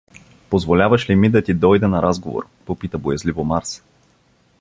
— Позволяваш ли ми да ти дойда на разговор? — пита боязливо Марс.